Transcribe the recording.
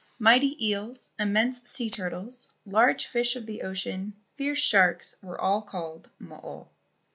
Mighty eels, immense sea turtles, large fish of the ocean, fierce sharks, were all called mo o.